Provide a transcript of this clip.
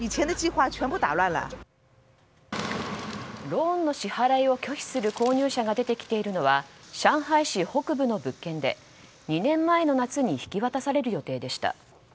ローンの支払いを拒否する購入者が出てきているのは上海市北部の物件で２年前の夏に引き渡される予定でした。